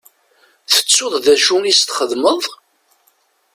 Tettuḍ d acu i s-txedmeḍ?